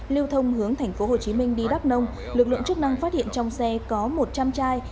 lưu thông hướng tp hcm đi đắk nông lực lượng chức năng phát hiện trong xe có một trăm linh chai